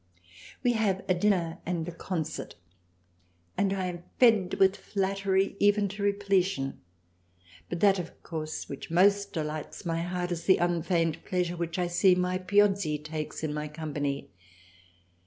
We have a dinner and a Concert ; and I am fed with flattery even to Repletion : but that of course THRALIANA 41 which most delights my Heart is the unfeigned Pleasure which I see my Piozzi takes in my Company.